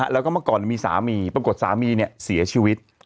แล้วก็เมื่อก่อนมีสามีปรากฏสามีเสียชีวิต